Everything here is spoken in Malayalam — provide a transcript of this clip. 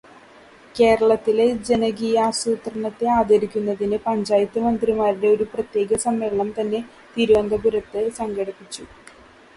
കേരളത്തിലെ ജനകീയാസൂത്രണത്തെ ആദരിക്കുന്നതിന് പഞ്ചായത്ത് മന്ത്രിമാരുടെ ഒരു പ്രത്യേക സമ്മേളനം തന്നെ തിരുവനന്തപുരത്തു സംഘടിപ്പിച്ചു.